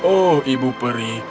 oh ibu peri